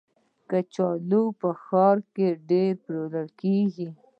کچالو په ښارونو کې ډېر پلورل کېږي